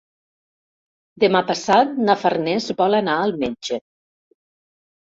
Demà passat na Farners vol anar al metge.